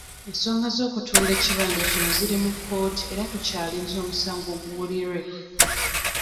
Ensonga z'okutunda ekibanja kino ziri mu kkooti era tukyalinze omusango guwulirwe.